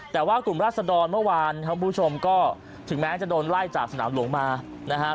แต่ว่ากลุ่มราศดรเมื่อวานครับคุณผู้ชมก็ถึงแม้จะโดนไล่จากสนามหลวงมานะครับ